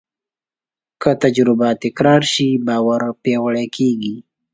که تجربه تکرار شي، باور پیاوړی کېږي.